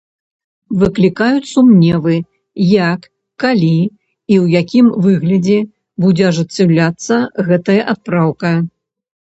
Выклікаюць сумневы, як, калі і ў якім выглядзе будзе ажыццяўляцца гэтая адпраўка.